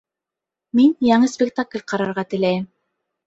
Мин яңы спектакль ҡарарға теләйем